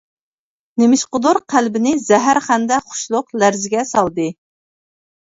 نېمىشقىدۇر قەلبىنى زەھەرخەندە خۇشلۇق لەرزىگە سالدى.